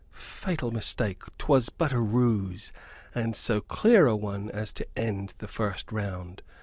Fatal mistake 'twas but a ruse and so clear a one as to end the first round.